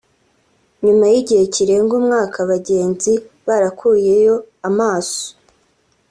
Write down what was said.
nyuma y’igihe kirenga umwaka abagenzi barakuyeyo amaso